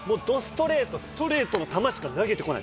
ストレートの球しか投げてこない。